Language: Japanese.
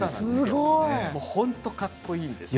本当にかっこいいんです。